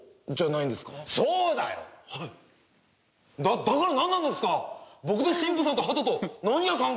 だだからなんなんですか！？